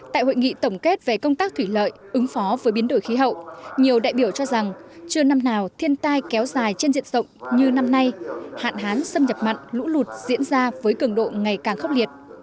tại hội nghị tổng kết về công tác thủy lợi ứng phó với biến đổi khí hậu nhiều đại biểu cho rằng chưa năm nào thiên tai kéo dài trên diện rộng như năm nay hạn hán xâm nhập mặn lũ lụt diễn ra với cường độ ngày càng khốc liệt